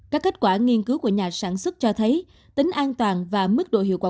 các kết quả nghiên cứu của nhà sản xuất cho thấy tính an toàn và mức độ hiệu quả